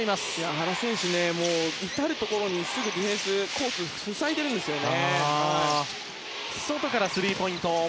原選手が至るところですぐディフェンスコースを塞いでいますね。